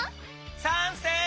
さんせい。